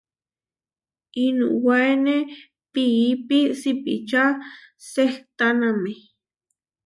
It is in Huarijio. Inuwáene piípi sipiča sehtáname.